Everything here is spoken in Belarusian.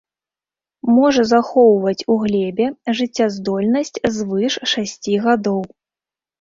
Можа захоўваць у глебе жыццяздольнасць звыш шасці гадоў.